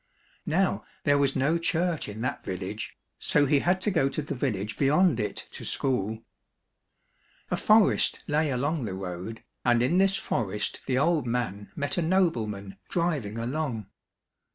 Now there was no church in that village, so he had to go to the village beyond it to school. A forest lay along the road, and in this forest the old man met a noble man driving along.